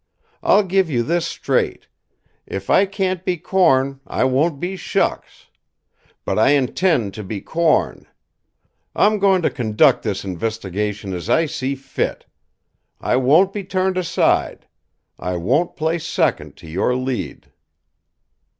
I'll give you this straight: if I can't be corn, I won't be shucks. But I intend to be corn. I'm going to conduct this investigation as I see fit. I won't be turned aside; I won't play second to your lead!"